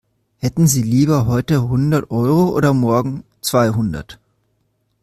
Hätten Sie lieber heute hundert Euro oder morgen zweihundert?